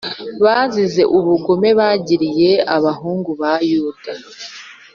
bazize ubugome bagiriye abahungu ba Yuda,